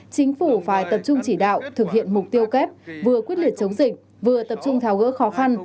chính phủ phải tập trung chỉ đạo thực hiện mục tiêu kép vừa quyết liệt chống dịch vừa tập trung tháo gỡ khó khăn